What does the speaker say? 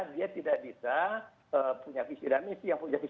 dia tidak bisa punya visi dan misi yang punya visi